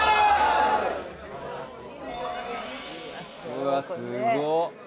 うわすごっこれ。